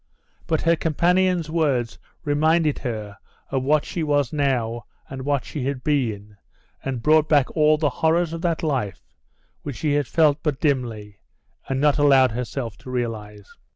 But her companion's words reminded her of what she was now and what she had been, and brought back all the horrors of that life, which she had felt but dimly, and not allowed herself to realise.